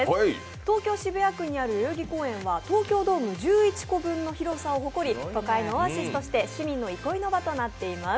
東京・渋谷区にある代々木公園は東京ドーム１１個分の広さを誇り、都会のオアシスとして市民の憩いの場となっています。